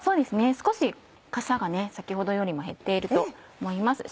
少しかさが先ほどよりも減っていると思います。